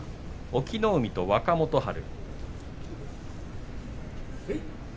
隠岐の海と若元春。